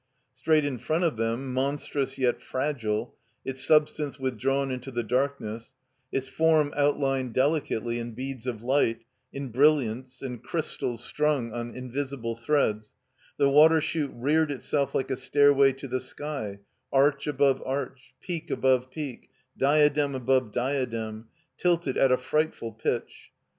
Straight in front of them, monstrous yet fragile, its substance with drawn into the darkness, its form outlined delicately in beads of light, in brilliants, in crystals stnmg on invisible threads, the Water Chute reared itself like a stairway to the sky, arch above arch, peak above peak, diadem above diadem, tilted at a frightful pitch.